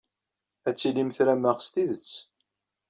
Ad tilim tram-aɣ s tidet.